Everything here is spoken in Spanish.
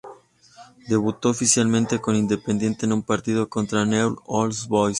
Debutó oficialmente con Independiente en un partido contra Newell's Old Boys.